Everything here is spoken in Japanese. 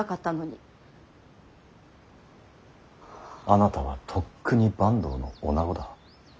あなたはとっくに坂東の女子だ。